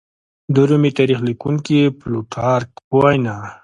د رومي تاریخ لیکونکي پلوټارک په وینا